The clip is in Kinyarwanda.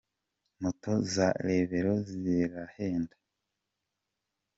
Motto za Rebero zirahenda